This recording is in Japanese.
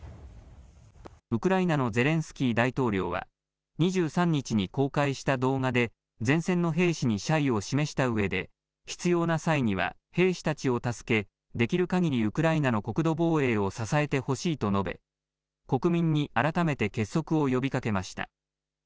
ウクライナのゼレンスキー大統領は、２３日に公開した動画で、前線の兵士に謝意を示したうえで、必要な際には兵士たちを助け、できるかぎりウクライナの国土防衛を支えてほしいと述べ、国民に改めて結束を呼びかけました。